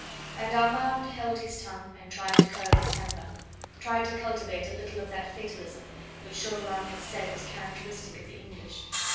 And Armand held his tongue and tried to curb his temper, tried to cultivate a little of that fatalism which Chauvelin had said was characteristic of the English.